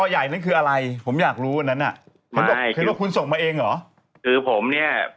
ใหญ่นั้นคืออะไรผมอยากรู้อันในน่ะเคยบอกคุณส่งมาเอ็งเหรอคือผมเนี้ย